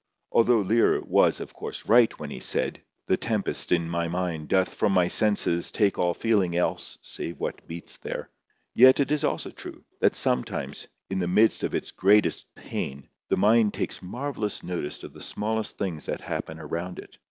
Although Lear was of course right when he said, "The tempest in my mind Doth from my senses take all feeling else Save what beats there," yet it is also true, that sometimes, in the midst of its greatest pain, the mind takes marvellous notice of the smallest things that happen around it.